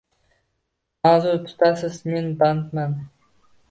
Ma’zur tutasiz, men bandman.